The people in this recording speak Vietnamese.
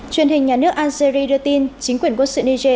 truyền hình nhà nước algeria đưa tin chính quyền quốc sự niger